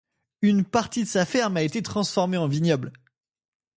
Une partie de sa ferme a été transformée en vignoble.